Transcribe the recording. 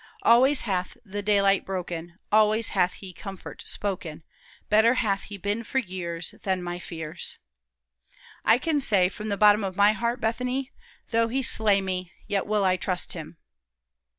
'Always hath the daylight broken, Always hath he comfort spoken, Better hath he been for years Than my fears.' I can say from the bottom of my heart, Bethany, Though he slay me, yet will I trust him."